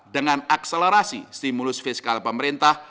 dengan akselerasi stimulus fiskal pemerintah